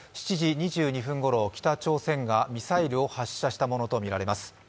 ７時２２分ごろ、北朝鮮がミサイルを発射したものとみられます。